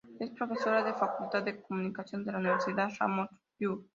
Es profesora de la Facultad de Comunicación de la Universidad Ramon Llull.